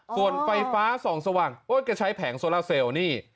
ส่วนไฟฟ้าส่องสว่างแกใช้แผงโซลาเซลนี่